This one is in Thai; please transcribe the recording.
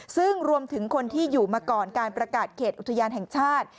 ซึ่งรวมถึงคนที่อยู่มาก่อนการประกาศเขตอุทยานแห่งชาติ